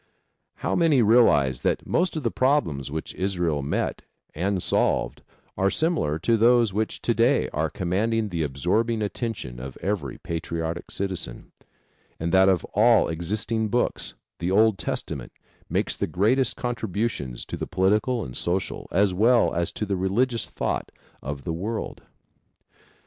How many realize that most of the problems which Israel met and solved are similar to those which to day are commanding the absorbing attention of every patriotic citizen, and that of all existing books, the Old Testament makes the greatest contributions to the political and social, as well as to the religious thought of the world?